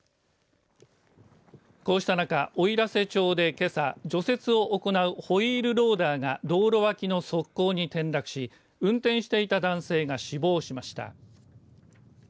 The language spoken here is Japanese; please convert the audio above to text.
こうした中、おいらせ町でけさ除雪を行うホイールローダーが道路脇の側溝に転落し運転していた男性が死亡しました。